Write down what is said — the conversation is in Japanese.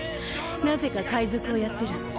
なぜか海賊をやってる。